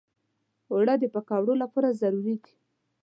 اوړه د پکوړو لپاره ضروري دي